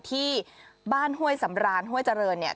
ที่บ้านห้วยสำรานห้วยเจริญเนี่ย